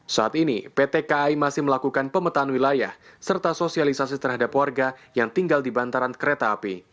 saat ini pt kai masih melakukan pemetaan wilayah serta sosialisasi terhadap warga yang tinggal di bantaran kereta api